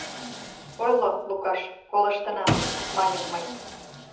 — Ойло, Лукаш, колыштына, — маньым мый.